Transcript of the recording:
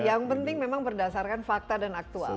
yang penting memang berdasarkan fakta dan aktual